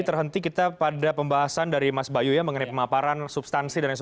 terhenti kita pada pembahasan dari mas bayu ya mengenai pemaparan substansi